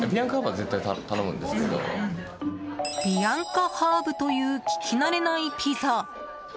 ビアンカハーブという聞き慣れないピザ。